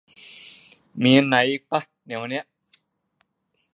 มีอันไหนอีกมะ แนวนี้